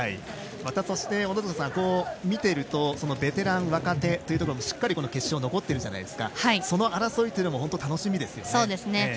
そして、見ているとベテラン、若手というところがしっかり決勝に残っていてその争いというのも本当に楽しみですよね。